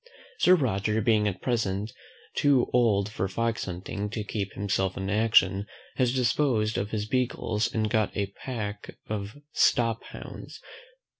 Sir Roger, being at present too old for fox hunting, to keep himself in action, has disposed of his beagles and got a pack of STOP HOUNDS.